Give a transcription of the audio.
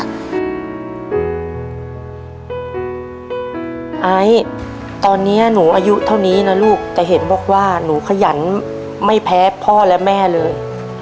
ไอซ์ตอนนี้หนูอายุเท่านี้นะลูกแต่เห็นบอกว่าหนูขยันไม่แพ้พ่อและแม่เลย